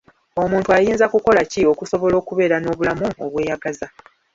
Omuntu ayinza kukola ki okusobola okubeera n'obulamu obweyagaza?